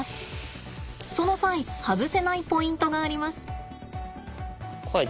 その際外せないポイントがあります。